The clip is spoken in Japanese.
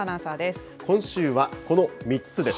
今週はこの３つです。